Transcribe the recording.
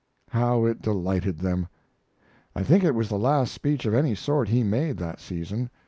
How it delighted them! I think it was the last speech of any sort he made that season.